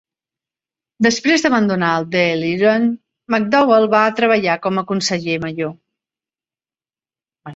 Després d'abandonar Dáil Éireann, McDowell va tornar a treballar com a conseller major.